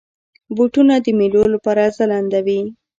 بوټونه د میلو لپاره ځلنده وي.